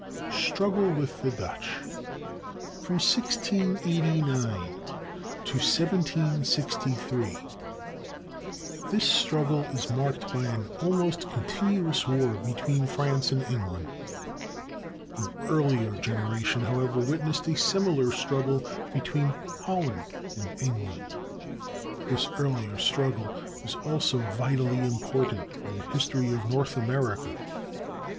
Struggle with the Dutch. From 1689 to 1763, this struggle is marked by an almost continuous war between France and England. An earlier generation, however, witnessed a similar struggle between Holland and England. This earlier struggle is also vitally important in the history of North America.